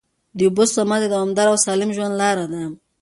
د اوبو سپما د دوامدار او سالم ژوند لاره ده.